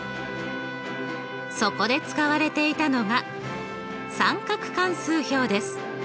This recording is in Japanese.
そこで使われていたのが三角関数表です。